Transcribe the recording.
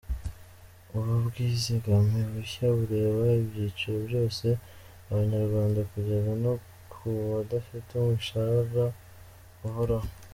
Ubu bwizigame bushya bureba ibyiciro byose by’Abanyarwanda kugeza no ku badafite umushara uhoraho.